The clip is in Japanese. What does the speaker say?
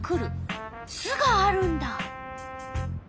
巣があるんだ。